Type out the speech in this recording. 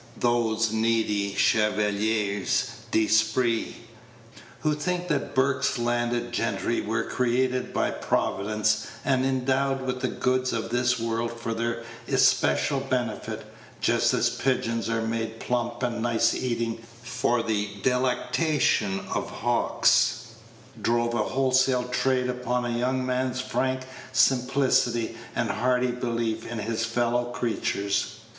Those needy chevaliers d'esprit, who think that Burke's landed gentry were created by Providence and endowed with the goods of this world for their especial benefit, just as pigeons are made plump and nice eating for the delectation of hawks, drove a wholesale trade upon the young man's frank simplicity and hearty belief in his fellow creatures.